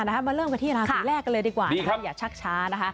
หรือล่ะคะหมอไกร